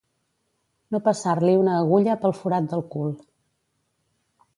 No passar-li una agulla pel forat del cul.